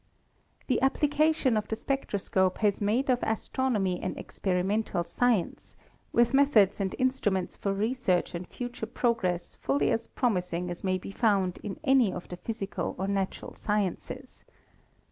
The application of the spectroscope has made of as tronomy an experimental science, with methods and instru ments for research and future progress fully as promising as may be found in any of the physical or natural sci ences.